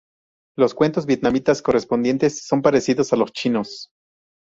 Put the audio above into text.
Los cuentos vietnamitas correspondientes son parecidos a los chinos.